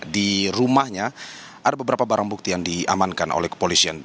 di rumahnya ada beberapa barang bukti yang diamankan oleh kepolisian